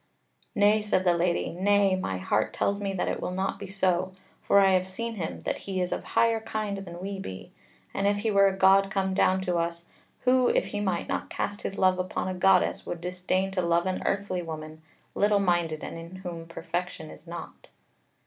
"Nay," said the Lady, "Nay; my heart tells me that it will not be so; for I have seen him, that he is of higher kind than we be; as if he were a god come down to us, who if he might not cast his love upon a goddess, would disdain to love an earthly woman, little minded and in whom perfection is not."